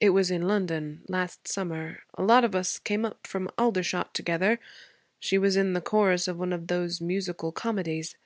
It was in London, last summer. A lot of us came up from Aldershot together. She was in the chorus of one of those musical comedies.